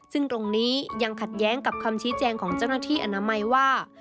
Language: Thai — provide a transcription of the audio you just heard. ซึ่งตรงนี้ยังขัดแย้งกับคำชี้แจงของเจ้าหน้าที่อนามัยว่า